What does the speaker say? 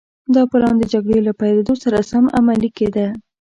دا پلان د جګړې له پيلېدو سره سم عملي کېده.